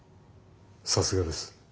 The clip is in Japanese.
さすがです。